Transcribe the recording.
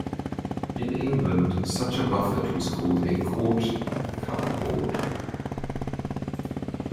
In England such a buffet was called a court cupboard.